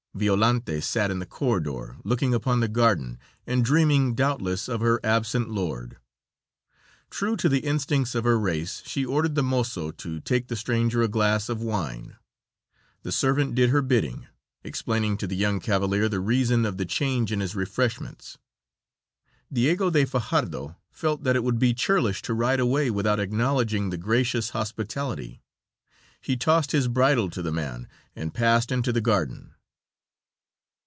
Violante sat in the corridor, looking upon the garden, and dreaming, doubtless, of her absent lord. True to the instincts of her race, she ordered the mozo to take the stranger a glass of wine. The servant did her bidding, explaining to the young cavalier the reason of the change in his refreshments. Diego de Fajardo felt that it would be churlish to ride away without acknowledging the gracious hospitality. He tossed his bridle to the man and passed into the garden.